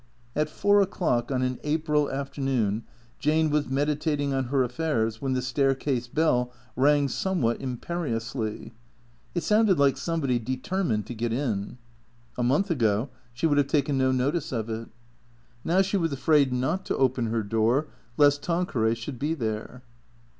At four o'clock on an April afternoon Jane was meditating on her affairs when the staircase bell rang somewhat imperiously. It sounded like somebody determined to get in. A month ago she would have taken no notice of it. Now she was afraid not to open her door lest Tanqueray should be there.